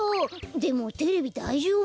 でもテレビだいじょうぶ？